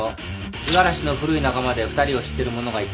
五十嵐の古い仲間で２人を知ってる者がいた。